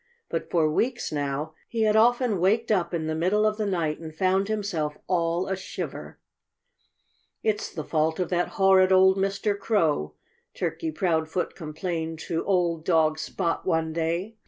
But for weeks now he had often waked up in the middle of the night and found himself all a shiver. "It's the fault of that horrid old Mr. Crow," Turkey Proudfoot complained to old dog Spot one day.